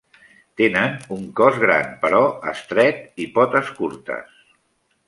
Tenen un cos gran però estret i potes curtes.